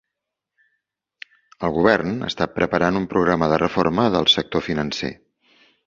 El govern està preparant un programa de reforma del sector financer.